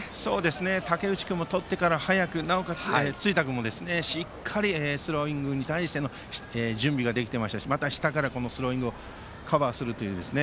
竹内君もとってから早く辻田君もしっかりスローイングに対しての準備ができていましたしまた下からスローイングをカバーするというね。